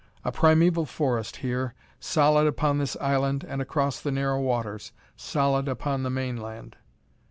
A primeval forest, here, solid upon this island and across the narrow waters; solid upon the mainland.